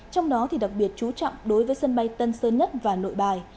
trong đó đặc biệt chú trọng đối với sân bay tân sơn nhất và nội bài